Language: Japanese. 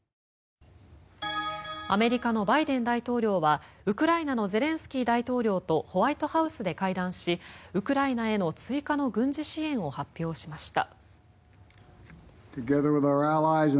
アメリカのバイデン大統領はウクライナのゼレンスキー大統領とホワイトハウスで会談しウクライナへの追加の軍事支援を発表しました。